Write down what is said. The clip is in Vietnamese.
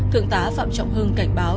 thượng tá phạm trọng hưng cảnh báo